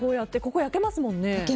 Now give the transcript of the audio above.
ここ焼けますもんね。